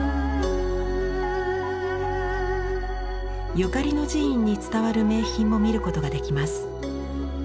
ゆかりの寺院に伝わる名品も見ることができます。